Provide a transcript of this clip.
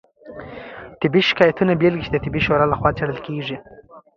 طبي شکایتونو بیلګې چې د طبي شورا لخوا څیړل کیږي